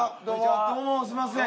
どうもすいません